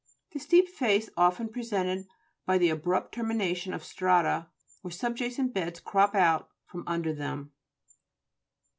The steep face often pre sented by the abrupt termination of strata where subjacent beds " crop out" from under them.